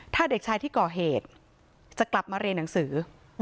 ถ้าเด็กชายที่ก่อเหตุจะกลับมาเรียนหนังสือ